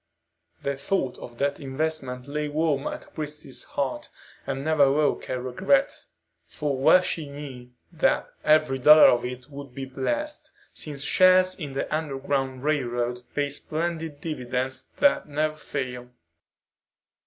The thought of that investment lay warm at Christie's heart, and never woke a regret, for well she knew that every dollar of it would be blessed, since shares in the Underground Railroad pay splendid dividends that never fail.